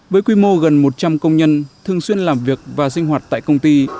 với quy mô gần một trăm linh công nhân thường xuyên làm việc và sinh hoạt tại công ty